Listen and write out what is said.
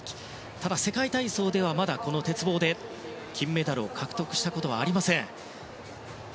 ただ、世界体操ではまだ、この鉄棒で金メダルを獲得したことはありません。